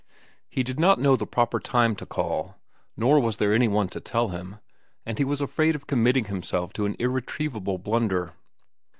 He did not know the proper time to call, nor was there any one to tell him, and he was afraid of committing himself to an irretrievable blunder.